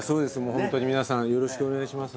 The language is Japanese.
ホントに皆さんよろしくお願いします